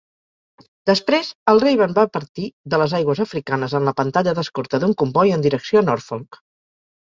Després, el Raven va partir de les aigües africanes en la pantalla d'escorta d'un comboi en direcció a Norfolk.